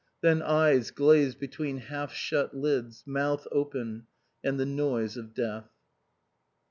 Then eyes glazed between half shut lids, mouth open, and the noise of death.